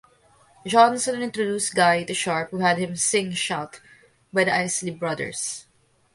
Johnson introduced Guy to Sharp who had him sing "Shout" by the Isley Brothers.